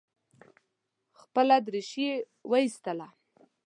خپله درېشي یې وایستله.